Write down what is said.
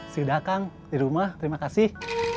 sudah datang di rumah terima kasih